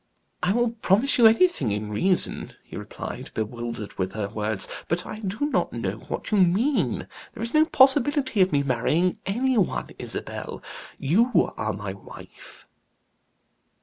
"I will promise you anything in reason," he replied, bewildered with her words, "but I do not know what you mean. There is no possibility of my marrying any one, Isabel; you are my wife."